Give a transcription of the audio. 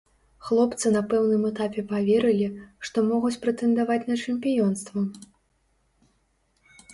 Хлопцы на пэўным этапе паверылі, што могуць прэтэндаваць на чэмпіёнства.